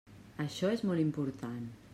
Això és molt important.